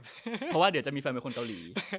เพราะว่าเดี๋ยวจะมีแฟนเป็นคนเกาหลี